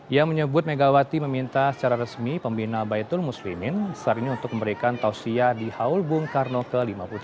ia menyebut megawati meminta secara resmi pembina baitul muslimin saat ini untuk memberikan tausiyah di haul bung karno ke lima puluh tiga